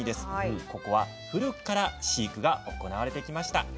ここは古くから飼育が行われてきました。